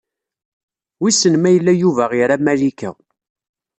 Wissen ma yella Yuba ira Malika.